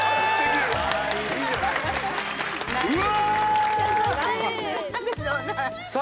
うわ！